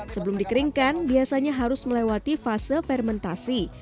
sebelum dikeringkan biasanya harus melewati fase fermentasi